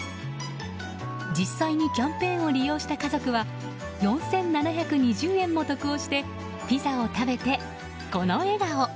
実際にキャンペーンを利用した家族は４７２０円も得をしてピザを食べてこの笑顔。